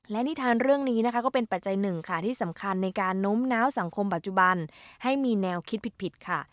และนิทานเรื่องนี้นะคะก็เป็นปัจจัยหนึ่งค่ะที่สำคัญในการโน้มน้าวสังคมปัจจุบันให้มีแนวคิดผิดค่ะ